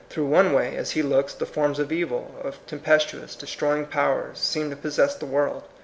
Through one way, as he looks, the forms of evil, of tempestuous, de stroying powers, seem to possess the world.